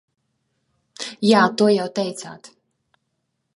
Jā, to jau teicāt.